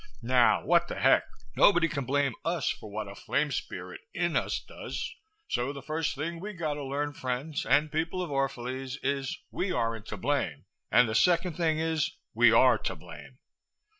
Now, what the heck! Nobody can blame us for what a flame spirit in us does! So the first thing we got to learn, friends and people of Orphalese is, we aren't to blame. And the second thing is, we are to blame!"